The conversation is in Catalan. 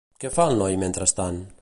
Què fa el noi mentrestant?